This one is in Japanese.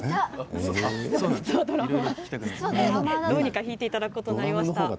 どうにか弾いていただくことになりました。